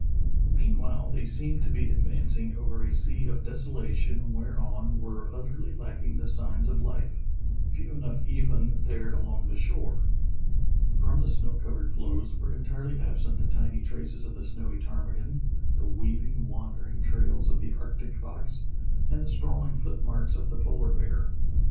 Kane's Rescue of His Shipmates 97 Meanwhile they seemed to be advancing over a sea of desolation whereon were utterly lacking the signs of life — few enough even there along the shore. From the snow covered floes were entirely absent the tiny traces of the snowy ptarmigan, the weaving, wandering trails of the arctic fox, and the sprawling foot marks of the polar bear.